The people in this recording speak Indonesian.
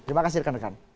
terima kasih rekan rekan